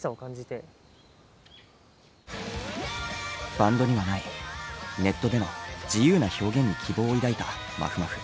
バンドにはないネットでの自由な表現に希望を抱いたまふまふ。